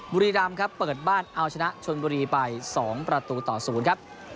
บุรีรำครับเปิดบ้านเอาชนะชนบุรีไป๒ประตูต่อ๐ครับ